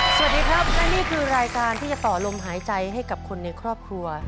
สวัสดีครับและนี่คือรายการที่จะต่อลมหายใจให้กับคนในครอบครัว